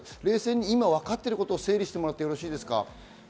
今、わかっていることを整理してもらっていいですか？